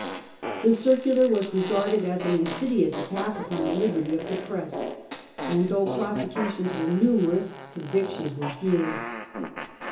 The circular was regarded as an insidious attack upon the liberty of the Press, and though prosecutions were numerous, convictions were few.